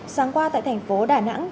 sáng qua tại thành phố đà nẵng